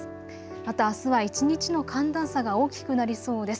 またあすは一日の寒暖差が大きくなりそうです。